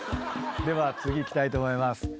では次いきたいと思います。